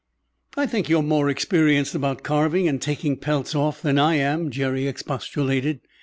"I think you're more experienced about carving and taking pelts off than I am," Jerry expostulated.